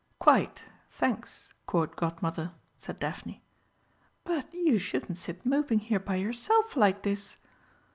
"Quite, thanks, Court Godmother," said Daphne. "But you shouldn't sit moping here by yourself like this."